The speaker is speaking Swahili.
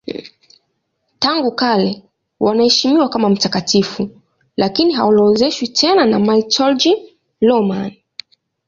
Tangu kale wanaheshimiwa kama mtakatifu lakini haorodheshwi tena na Martyrologium Romanum.